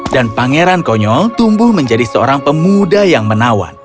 dan pangeran konyol tumbuh menjadi seorang pemuda yang menawan